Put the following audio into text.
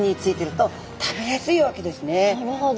なるほど。